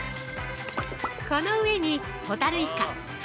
◆この上にホタルイカ春